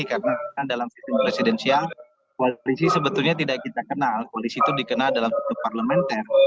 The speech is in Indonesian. karena dalam presidensial koalisi sebetulnya tidak kita kenal koalisi itu dikenal dalam bentuk parlementer